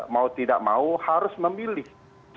mau tidak mau harus memilih